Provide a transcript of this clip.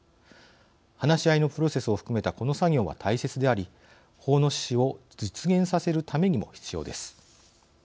話し合いのプロセスを含めたこの作業は大切であり法の趣旨を実現させるためにも必要です。